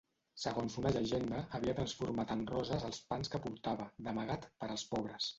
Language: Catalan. Segons una llegenda, havia transformat en roses els pans que portava, d'amagat, per als pobres.